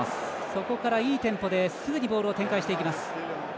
そこからいいテンポですぐにボールを展開していきます。